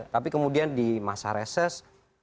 tapi kemudian di masa reses